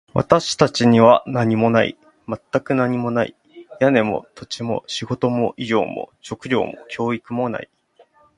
私たちには何もない。全く何もない。屋根も、土地も、仕事も、医療も、食料も、教育もない。